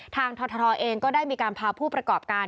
ททเองก็ได้มีการพาผู้ประกอบการ